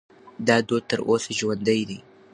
دا دود تر اوسه ژوندی دی.